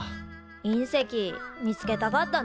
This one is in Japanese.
隕石見つけたかったな。